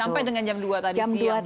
sampai dengan jam dua tadi siang